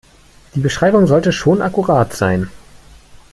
Die Beschreibung sollte schon akkurat sein.